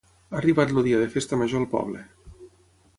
Ha arribat el dia de Festa Major al poble.